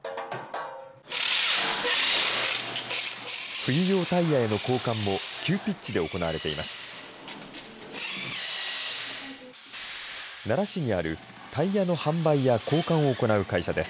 冬用タイヤへの交換も急ピッチで行われています。